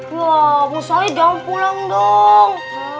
wah bos said jangan pulang dong